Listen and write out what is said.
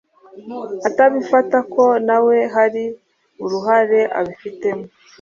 atabifata ko na we hari uruhare abifitemo.